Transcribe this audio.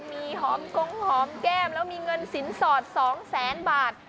มีหอมกงหอมแก้มแล้วมีเงินสินสอด๒แสนบาท